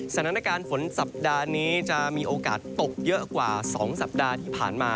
สถานการณ์ฝนสัปดาห์นี้จะมีโอกาสตกเยอะกว่า๒สัปดาห์ที่ผ่านมา